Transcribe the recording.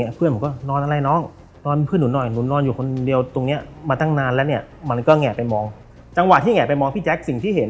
เพื่อนผมก็นอนอะไรน้องนอนเพื่อนหนูหน่อยหนูนอนอยู่คนเดียวตรงนี้มาตั้งนานแล้วเนี่ยมันก็แงะไปมองจังหวะที่แงะไปมองพี่แจ๊คสิ่งที่เห็น